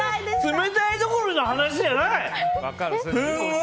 冷たいどころの話じゃない！